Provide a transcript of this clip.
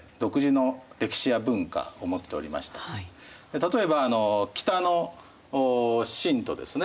例えば北の秦とですね